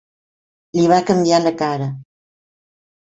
Li va canviar la cara.